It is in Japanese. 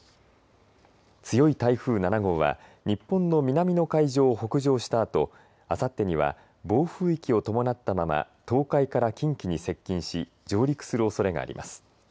強い台風７号は日本の南の海上を北上したあとあさってには暴風域を伴ったまま東海から近畿に接近し上陸するおそれがあります。